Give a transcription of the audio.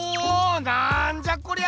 なんじゃこりゃ！